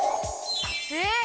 えっ！？